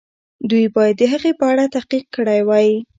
دوی باید د هغې په اړه تحقیق کړی وای.